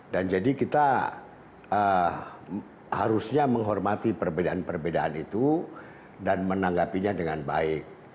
dan jadi kita harusnya menghormati perbedaan perbedaan itu dan menanggapinya dengan baik